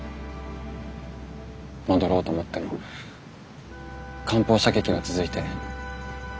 戻ろうと思っても艦砲射撃は続いて。